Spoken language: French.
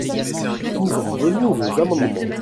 Nous en venons aux amendements.